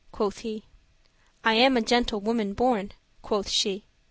quoth he, "I am a gentle woman born," quoth she.